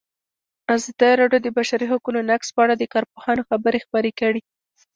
ازادي راډیو د د بشري حقونو نقض په اړه د کارپوهانو خبرې خپرې کړي.